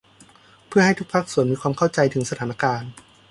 เพื่อให้ทุกภาคส่วนมีความเข้าใจถึงสถานการณ์